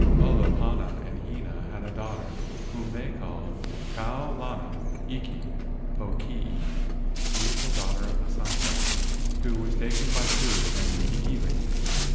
Olopana and Hina had a daughter whom they called Kau lana iki pokii (beautiful daughter of sunset), who was taken by Ku and Hiilei.